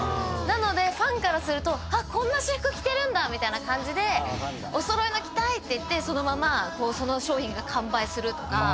なのでファンからするとこんな私服着てるんだみたいな感じでお揃いの着たいって言ってそのままその商品が完売する。